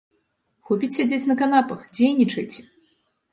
Хопіць сядзець на канапах, дзейнічайце!